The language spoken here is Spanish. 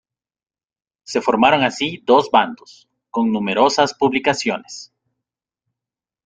Se formaron así dos bandos, con numerosas publicaciones.